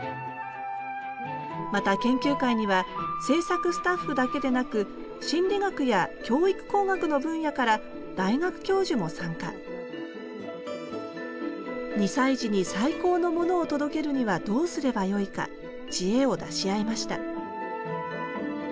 また研究会には制作スタッフだけでなく心理学や教育工学の分野から大学教授も参加２歳児に最高のものを届けるにはどうすればよいか知恵を出し合いました